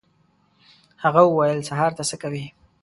هغه وویل: «سهار ته څه کوې؟»